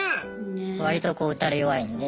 割とこう打たれ弱いんで。